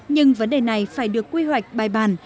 nhưng vấn đề này phải được quy hoạch bài bàn